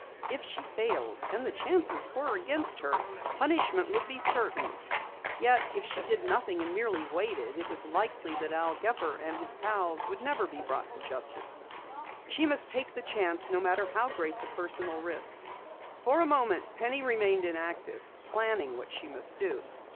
If she failed and the chances were against her punishment would be certain. Yet, if she did nothing and merely waited, it was likely that Al Gepper and his pals never would be brought to justice. She must take the chance, no matter how great the personal risk. For a moment Penny remained inactive, planning what she must do.